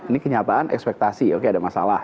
ini kenyataan ekspektasi oke ada masalah